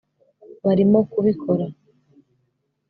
Barimo kubikora